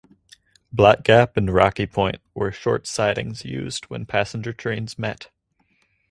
Black Gap and Rocky Point were short sidings used when passenger trains met.